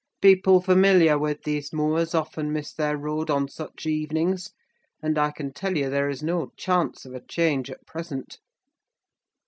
People familiar with these moors often miss their road on such evenings; and I can tell you there is no chance of a change at present."